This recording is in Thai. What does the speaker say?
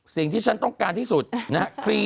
สิ่งที่ฉันต้องการที่สุดนะครับ